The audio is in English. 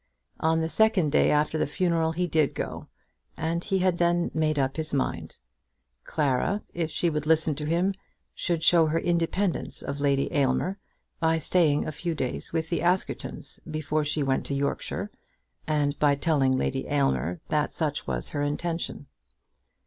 On the second day after the funeral he did go, and he had then made up his mind. Clara, if she would listen to him, should show her independence of Lady Aylmer by staying a few days with the Askertons before she went to Yorkshire, and by telling Lady Aylmer that such was her intention.